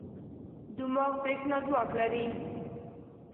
دماغ برېښنا ځواک لري.